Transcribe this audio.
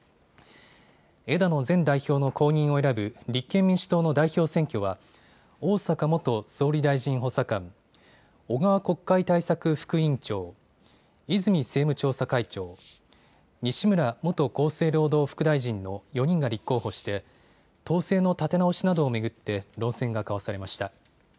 枝野前代表の後任を選ぶ立憲民主党の代表選挙は、逢坂元総理大臣補佐官、小川国会対策副委員長、泉政務調査会長、西村元厚生労働副大臣の４人が立候補して、党勢の立て直しなどを巡って、論戦が交わされました。